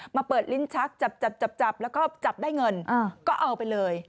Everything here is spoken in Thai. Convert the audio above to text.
เปิดลิ้นชักจับแล้วก็จับได้เงินก็เอาไปเลย